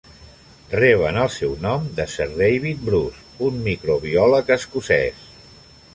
Reben el seu nom de Sir David Bruce, un microbiòleg escocès.